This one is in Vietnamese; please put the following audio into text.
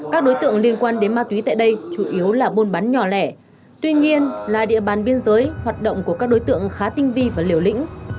các đối tượng liên quan đến ma túy tại đây chủ yếu là buôn bán nhỏ lẻ tuy nhiên là địa bàn biên giới hoạt động của các đối tượng khá tinh vi và liều lĩnh